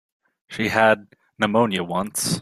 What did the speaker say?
She had pneumonia once.